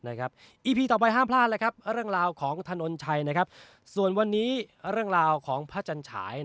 อีพีต่อไปห้ามพลาดแล้วครับเรื่องราวของถนนชัยส่วนวันนี้เรื่องราวของพระจันฉาย